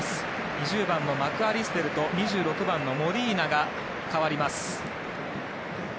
２０番のマクアリステルと２６番のモリーナが代わります。